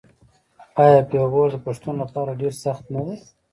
آیا پېغور د پښتون لپاره ډیر سخت نه دی؟